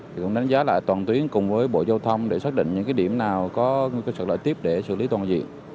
thì cũng đánh giá lại toàn tuyến cùng với bộ giao thông để xác định những cái điểm nào có sạt lở tiếp để xử lý toàn diện